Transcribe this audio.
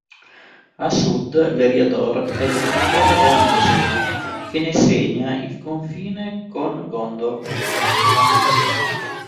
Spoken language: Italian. A sud l'Eriador è delimitato dall'Isen, che ne segna il confine con Gondor.